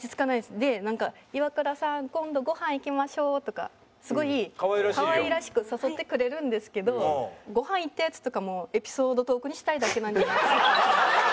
でなんか「イワクラさん今度ごはん行きましょう」とかすごい可愛らしく誘ってくれるんですけどごはん行ったやつとかもエピソードトークにしたいだけなんじゃないかな。